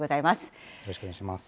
よろしくお願いします。